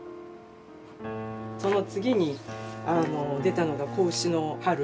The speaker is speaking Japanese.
その次に出たのが「仔牛の春」